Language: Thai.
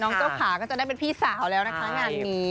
เจ้าขาก็จะได้เป็นพี่สาวแล้วนะคะงานนี้